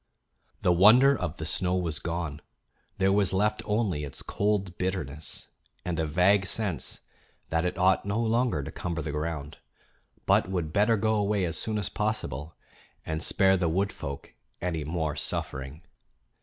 The wonder of the snow was gone; there was left only its cold bitterness and a vague sense that it ought no longer to cumber the ground, but would better go away as soon as possible and spare the wood folk any more suffering.